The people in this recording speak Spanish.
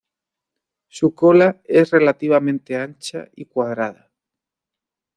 Su cola es relativamente ancha y cuadrada.